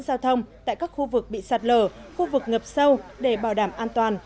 giao thông tại các khu vực bị sạt lở khu vực ngập sâu để bảo đảm an toàn